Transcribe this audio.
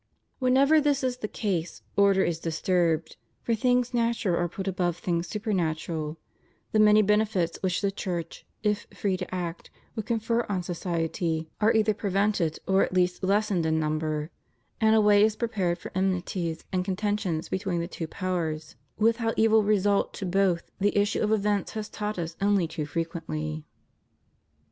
Whenever this is the case, order is disturbed, for things natural are put above things supernatural; the many benefits which the Church, if free to act, would confer on society are either prevented or at least lessened in number; and a way is prepared for enmities and con tentions between the two powers, with how evil result CHRISTIAN CONSTITUTION OF STATES. 125 to both the issue of events has taught us only too fre quently.